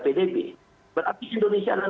pdb berarti indonesia adalah